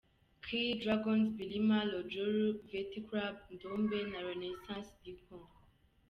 K, Dragons-Bilima, Rojolu, Veti Club, Ndombe na Renaissance du Congo.